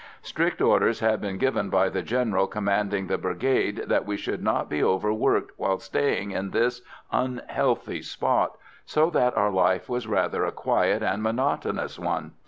Strict orders had been given by the General commanding the Brigade that we should not be overworked while staying in this unhealthy spot, so that our life was rather a quiet and monotonous one.